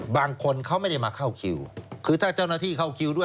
บางคนเขาไม่ได้มาเข้าคิวคือถ้าเจ้าหน้าที่เข้าคิวด้วย